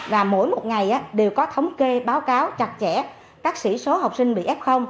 và mỗi một ngày đều có thống kê báo cáo chặt chẽ các sỉ số học sinh bị f